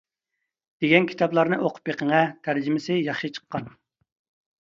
دېگەن كىتابلارنى ئوقۇپ بېقىڭە تەرجىمىسى ياخشى چىققان.